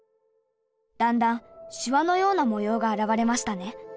だんだんしわのような模様が現れましたね。